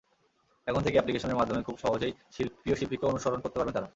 এখন থেকে অ্যাপ্লিকেশনের মাধ্যমে খুব সহজেই প্রিয় শিল্পীকে অনুসরণ করতে পারবেন তাঁরা।